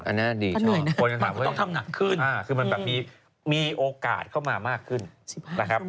อันนี้ดีใช่ไหมต้องทำหนักขึ้นคือมันแบบมีโอกาสเข้ามามากขึ้นนะครับ